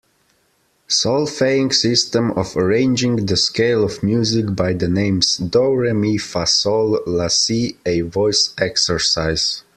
Solfaing system of arranging the scale of music by the names do, re, mi, fa, sol, la, si a voice exercise.